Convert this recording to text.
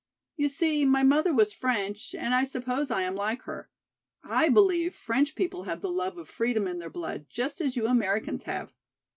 You see my mother was French and I suppose I am like her. I believe French people have the love of freedom in their blood just as you Americans have."